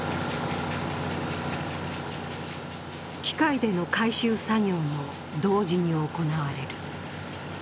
機械での回収作業も同時に行われる。